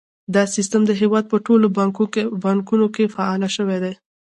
دا سیستم د هیواد په ټولو بانکونو کې فعال شوی دی۔